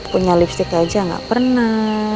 punya lipstick aja gak pernah